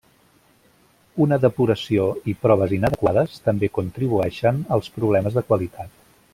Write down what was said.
Una depuració i proves inadequades també contribueixen als problemes de qualitat.